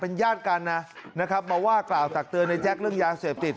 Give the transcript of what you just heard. เป็นญาติการนะครับมาว่ากล่าวตักเตือนไอ้แจ๊กเรื่องยาเสพติด